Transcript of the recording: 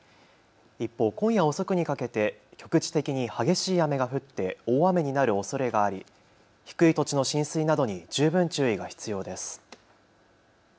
一方、今夜遅くにかけて局地的に激しい雨が降って大雨になるおそれがあり低い土地の浸水などに十分注意が必要です。